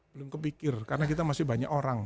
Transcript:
belum kepikir karena kita masih banyak orang